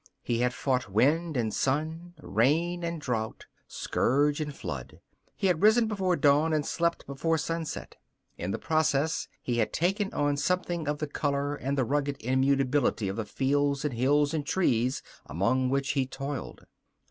He had fought wind and sun, rain and drought, scourge and flood. He had risen before dawn and slept before sunset. In the process he had taken on something of the color and the rugged immutability of the fields and hills and trees among which he toiled.